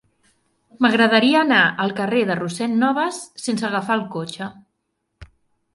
M'agradaria anar al carrer de Rossend Nobas sense agafar el cotxe.